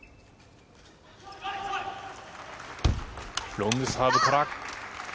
ロングサーブから。